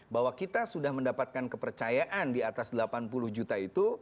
bahwa kita sudah mendapatkan kepercayaan di atas delapan puluh juta itu